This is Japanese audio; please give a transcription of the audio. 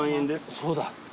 そうだ。